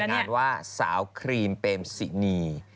รายงานว่าสาวครีมเป็มศินีย์